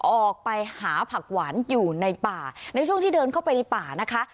ออกไปหาผักหวานอยู่ในป่าในช่วงที่เดินเข้าไปในป่านะคะ